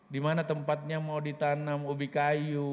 di mana tempatnya mau ditanam ubi kayu